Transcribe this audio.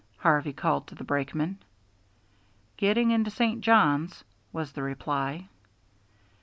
Harvey called to the brakeman. "Getting into St. Johns," was the reply.